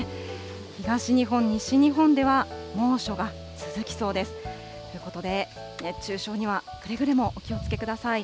東日本、西日本では猛暑が続きそうです。ということで、熱中症にはくれぐれもお気をつけください。